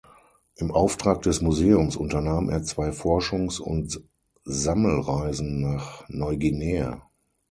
Im Auftrag des Museums unternahm er zwei Forschungs- und Sammelreisen nach Neuguinea.